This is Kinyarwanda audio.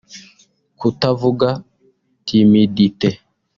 kutavuga (timidite)